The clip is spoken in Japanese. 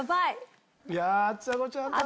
いやあちさ子ちゃん頼む！